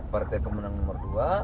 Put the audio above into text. partai pemenang nomor dua